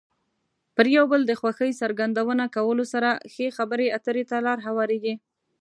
پر یو بل د خوښۍ څرګندونه کولو سره ښې خبرې اترې ته لار هوارېږي.